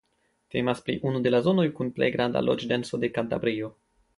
Temas pri unu de la zonoj kun plej granda loĝdenso de Kantabrio.